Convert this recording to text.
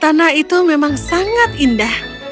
tanah itu memang sangat indah